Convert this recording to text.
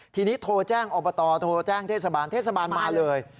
ทีนี้โทรแจ้งอบตโทรแจ้งเทศบาลเทศบาลมาเลย